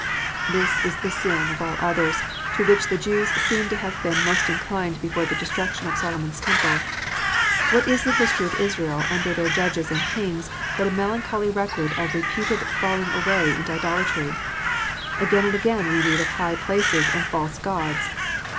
This is the sin, of all others, to which the Jews seem to have been most inclined before the destruction of Solomon s temple. What is the history of Israel under their judges and kings but a melancholy record of repeated falling away into idolatry 1 Again and again we read of "high places" and false gods.